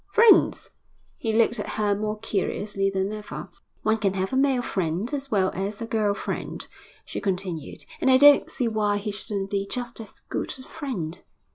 'Friends!' He looked at her more curiously than ever. 'One can have a man friend as well as a girl friend,' she continued. 'And I don't see why he shouldn't be just as good a friend.'